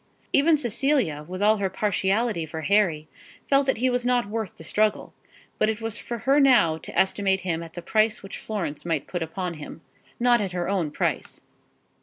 Even Cecilia, with all her partiality for Harry, felt that he was not worth the struggle; but it was for her now to estimate him at the price which Florence might put upon him, not at her own price.